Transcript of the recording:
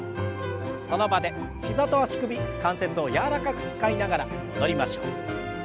その場で膝と足首関節を柔らかく使いながら戻りましょう。